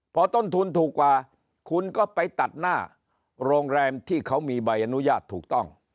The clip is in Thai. พอต้นทุนถูกกว่าคุณก็ไปตัดหน้าโรงแรมที่เขามีใบอนุญาตถูกต้อง